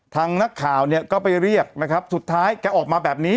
ทางนักข่าวเนี่ยก็ไปเรียกนะครับสุดท้ายแกออกมาแบบนี้